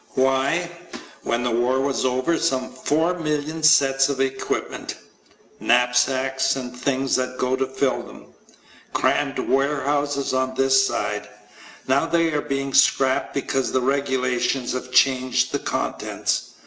Why, when the war was over some 4,000,000 sets of equipment knapsacks and the things that go to fill them crammed warehouses on this side. Now they are being scrapped because the regulations have changed the contents.